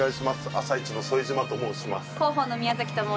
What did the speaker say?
「あさイチ」の副島と申します。